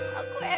mbak iwiun ya